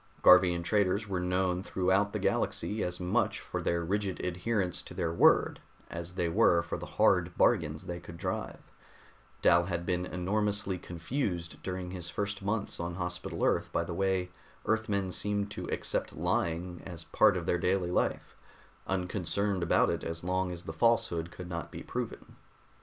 Garvian traders were known throughout the Galaxy as much for their rigid adherence to their word as they were for the hard bargains they could drive; Dal had been enormously confused during his first months on Hospital Earth by the way Earthmen seemed to accept lying as part of their daily life, unconcerned about it as long as the falsehood could not be proven.